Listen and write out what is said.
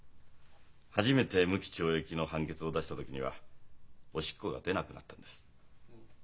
初めて無期懲役の判決を出した時にはおしっこが出なくなったんです。